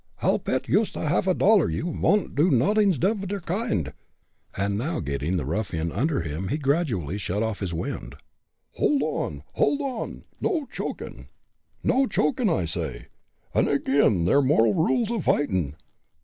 "I'll pet yoost a half dollar you von't do noddings off der kind," and now getting the ruffian under him he gradually shut off his wind. "Hold on! hold on! no chokin'! no chokin', I say; it's ag'in' ther moral rules o' fightin'!"